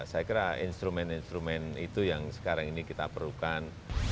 saya kira instrumen instrumen itu yang sekarang ini kita perlukan